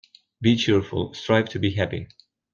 Be cheerful. Strive to be happy.